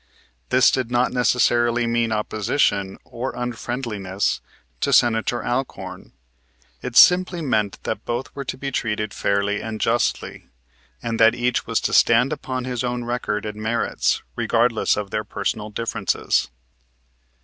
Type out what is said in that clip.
This did not necessarily mean opposition or unfriendliness to Senator Alcorn. It simply meant that both were to be treated fairly and justly, and that each was to stand upon his own record and merits, regardless of their personal differences.